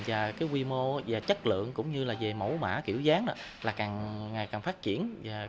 và quy mô và chất lượng cũng như mẫu mã kiểu dáng càng phát triển